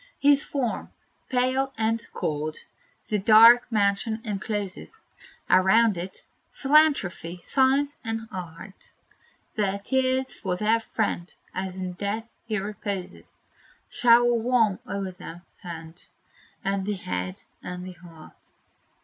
His form, pale and cold, the dark mansion encloses; Around it, Philanthropy, Science and Art Their tears for their friend, as in death he reposes, Shower warm o'er the hand, and the head, and the heart.